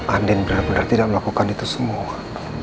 andin benar benar tidak melakukan itu semua